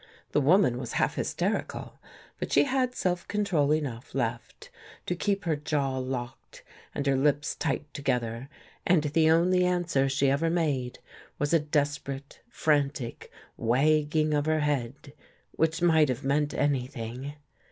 The woman was half hysterical, but she had self control enough left to keep her jaw locked and her lips tight together and the only answer she ever made was a desperate, frantic wagging of her head, which might have meant anything.